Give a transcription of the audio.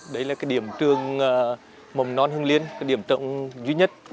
đây là điểm trường bầm non hưng liên điểm trọng duy nhất